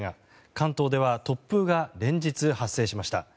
関東では突風が連日発生しました。